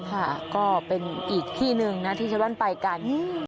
ค่ะก็เป็นอีกที่หนึ่งนะที่ชาวบ้านไปกัน